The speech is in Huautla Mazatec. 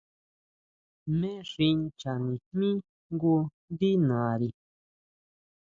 Jmé xi nchanijmí jngu ndí nari.